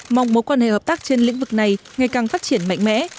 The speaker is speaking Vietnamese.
mong mối quan hệ hợp tác trên lĩnh vực này ngày càng phát triển mạnh mẽ